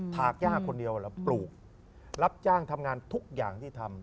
ถากย่าคนเดียวเหรอปลูกรับจ้างทำงานทุกอย่างที่ทำ